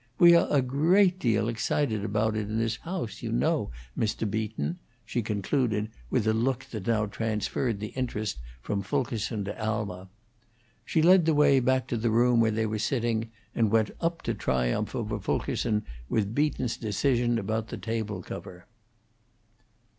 We awe a great deal excited aboat it in this hoase, you know, Mr. Beaton," she concluded, with a look that now transferred the interest from Fulkerson to Alma. She led the way back to the room where they were sitting, and went up to triumph over Fulkerson with Beaton's decision about the table cover.